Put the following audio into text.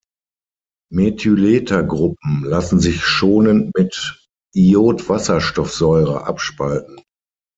Methylether-Gruppen lassen sich schonend mit Iodwasserstoffsäure abspalten.